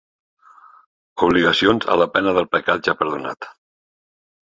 Obligacions a la pena del pecat ja perdonat.